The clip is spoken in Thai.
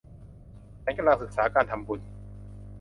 ฉันกำลังศีกษาการทำบุญ